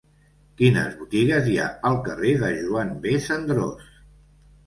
Quines botigues hi ha al carrer de Joan B. Cendrós?